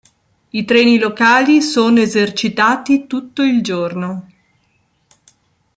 I treni locali sono esercitati tutto il giorno.